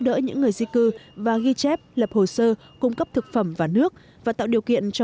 đỡ những người di cư và ghi chép lập hồ sơ cung cấp thực phẩm và nước và tạo điều kiện cho